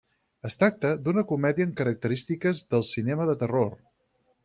Es tracta d'una comèdia amb característiques del cinema de terror.